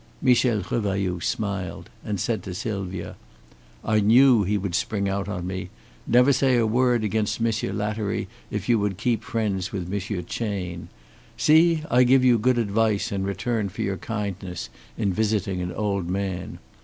Michel Revailloud smiled and said to Sylvia: "I knew he would spring out on me. Never say a word against Monsieur Lattery if you would keep friends with Monsieur Chayne. See, I give you good advice in return for your kindness in visiting an old man.